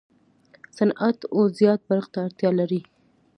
صنعت و زیات برق ته اړتیا لري.